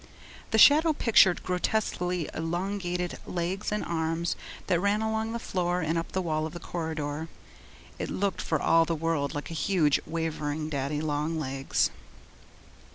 The shadow pictured grotesquely elongated legs and arms that ran along the floor and up the wall of the corridor. It looked, for all the world, like a huge, wavering daddy long legs.